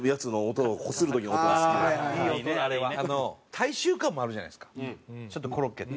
大衆感もあるじゃないですかちょっとコロッケって。